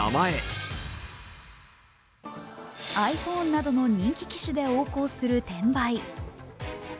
ｉＰｈｏｎｅなどの人気機種で横行する転売。